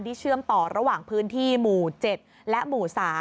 เชื่อมต่อระหว่างพื้นที่หมู่๗และหมู่๓